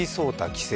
棋聖。